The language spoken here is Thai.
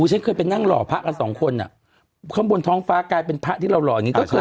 ฉันเคยไปนั่งหล่อพระกันสองคนอ่ะข้างบนท้องฟ้ากลายเป็นพระที่หล่ออย่างนี้